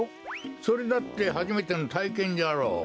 それだってはじめてのたいけんじゃろう。